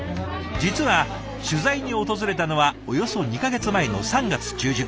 実は取材に訪れたのはおよそ２か月前の３月中旬。